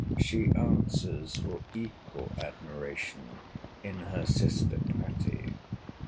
She answers for equal admiration in her sister Patty.